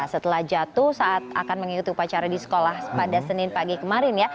setelah jatuh saat akan mengikuti upacara di sekolah pada senin pagi kemarin ya